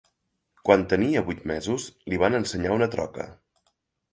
Quan tenia vuit mesos, li van ensenyar una troca